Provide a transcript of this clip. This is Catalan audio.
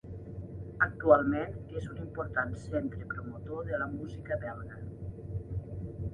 Actualment és un important centre promotor de la música belga.